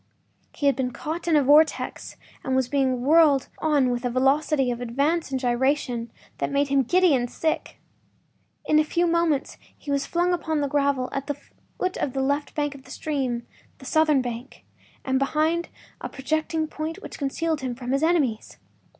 He had been caught in a vortex and was being whirled on with a velocity of advance and gyration that made him giddy and sick. In few moments he was flung upon the gravel at the foot of the left bank of the stream—the southern bank—and behind a projecting point which concealed him from his enemies.